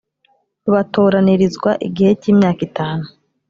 batoranirizwa igihe cy imyaka itanu